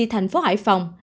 thành phố hải phòng